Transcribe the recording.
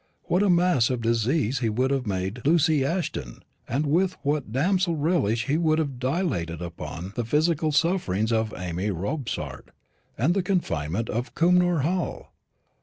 What a mass of disease he would have made Lucy Ashton, and with what dismal relish he would have dilated upon the physical sufferings of Amy Robsart in the confinement of Cumnor Hall!